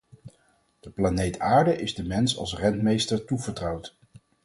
De planeet aarde is de mens als rentmeester toevertrouwd.